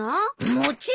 もちろん。